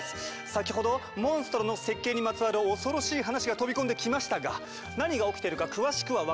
先ほどモンストロの設計にまつわる恐ろしい話が飛び込んできましたが何が起きてるか詳しくは分からないというあなた。